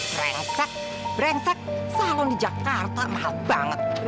brengsek brengsek salon di jakarta mahal banget